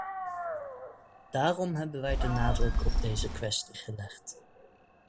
Daarom hebben wij de nadruk op deze kwestie gelegd.